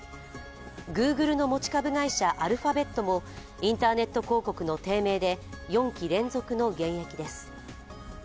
グーグルの持ち株会社、アルファベットもインターネット広告の低迷で４期連続の減益です。